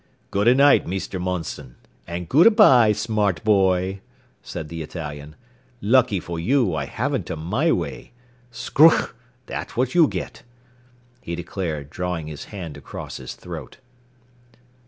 "Gooda night, Meester Munson. And gooda by, smart boy," said the Italian. "Lucky for you I havanta my way. 'Scrugk!' That's what you get," he declared, drawing his hand across his throat.